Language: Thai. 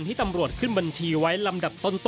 ที่ตำรวจขึ้นบัญชีไว้ลำดับต้น